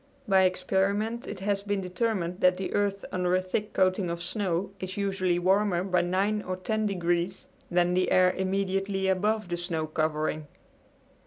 By experiment it has been determined that the earth under a thick coating of snow is usually warmer by nine or ten degrees than the air immediately above the snow covering.